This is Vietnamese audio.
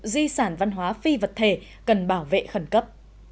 di sản văn hóa phi vật thể cần bảo vệ khẩn cấp